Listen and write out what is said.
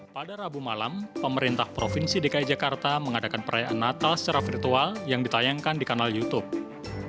pada rabu malam pemerintah provinsi dki jakarta mengadakan perayaan natal secara virtual yang ditayangkan di kanal youtube